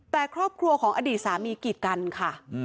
แต่ครอบครัวของอดีตสามีกีดกันค่ะ